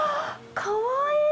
かわいい。